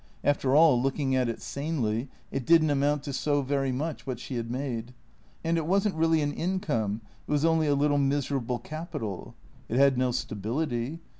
After all, looking at it sanely, it did n't amount to so very much, what she had made. And it was n't really an in come; it was only a little miserable capital. It had no stability.